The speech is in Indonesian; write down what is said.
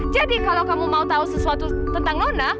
jadi kalau kamu mau tahu sesuatu tentang nona